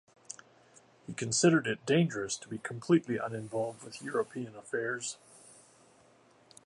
He considered it dangerous to be completely uninvolved with European affairs.